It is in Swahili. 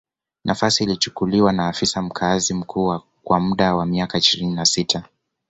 Nafasi ilichukuliwa na afisa mkazi mkuu kwa muda wa miaka ishirini na sita